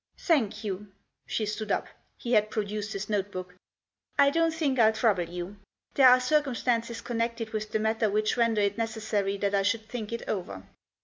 " Thank you." She stood up. He had produced his notebook. " I don't think I'll trouble you. There are circumstances connected with the matter which render it necessary that I should think it over."